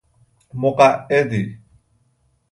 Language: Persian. مقعدی